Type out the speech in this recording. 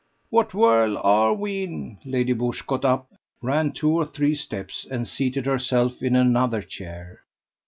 "What whirl are we in?" Lady Busshe got up, ran two or three steps and seated herself in another chair.